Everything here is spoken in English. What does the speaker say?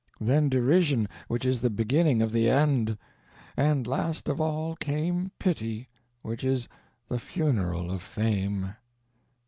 Then derision, which is the beginning of the end. And last of all came pity, which is the funeral of fame.